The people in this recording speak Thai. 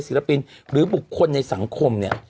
ศิลปินหรือบุคคลในสังคมเนี่ย